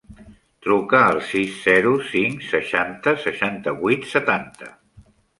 Truca al sis, zero, cinc, seixanta, seixanta-vuit, setanta.